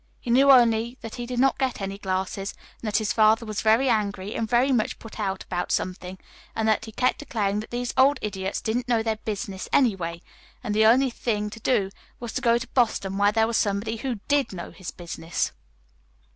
He knew only that he did not get any glasses, and that his father was very angry, and very much put out about something, and that he kept declaring that these old idiots didn't know their business, anyway, and the only thing to do was to go to Boston where there was somebody who DID know his business.